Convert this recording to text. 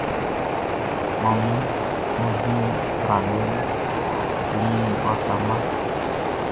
Manmi wunnzin tralɛ eni waka mma.